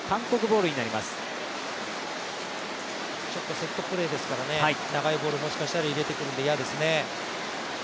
セットプレーですからね、長いボールをもしかしたら入れてくるかもしれないので、嫌ですね。